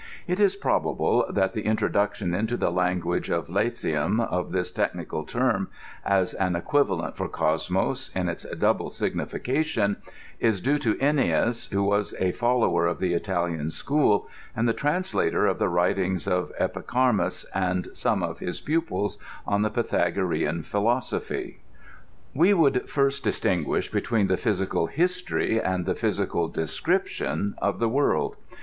It is probable that the in troduction into the language of Latium of this technical term as an equivalent for Cosmos, in its double signification, is due to Ennius,* who was a follower of the Italian school, and the translator of the writings of Epicharmus and some of his pu pils on the Pythagorean philosophy. We would first distinguish between the physical history and the physical description of the world.